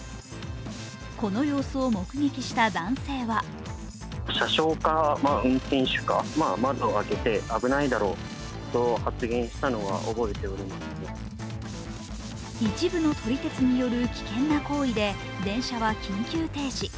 この様子を目撃した男性は一部の撮り鉄による危険な行為で電車は緊急停止。